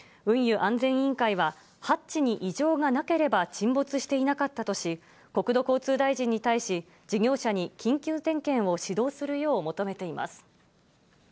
運輸安全委員会はハッチに異常がなければ沈没していなかったとし、事業者に緊急点検を指導するよう求めています。